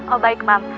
oh baik mam